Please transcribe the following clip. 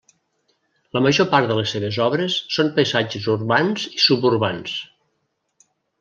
La major part de les seves obres són paisatges urbans i suburbans.